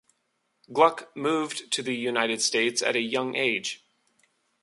Gluck moved to the United States at a young age.